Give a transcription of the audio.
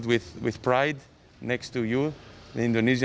di sebelah anda orang indonesia